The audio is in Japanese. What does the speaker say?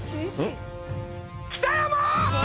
北山！